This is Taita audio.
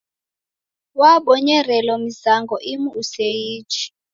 Wabonyerelo mizango imu useiichi.